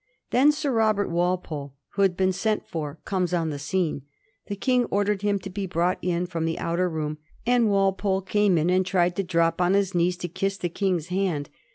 Then Sir Robert Walpole, who had been sent for, comes on the scene. The King ordered him to be brought in from the outer room, and Walpole came in and tried to drop on his knees to kiss the King's hand.